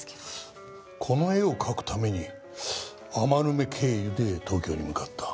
この絵を描くために余目経由で東京に向かった。